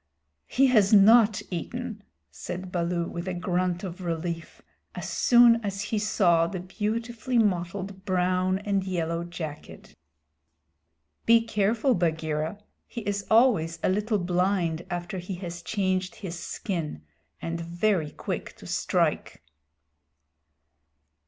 "He has not eaten," said Baloo, with a grunt of relief, as soon as he saw the beautifully mottled brown and yellow jacket. "Be careful, Bagheera! He is always a little blind after he has changed his skin, and very quick to strike."